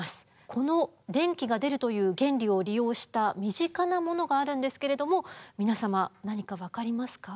この電気が出るという原理を利用した身近なものがあるんですけれども皆様何かわかりますか？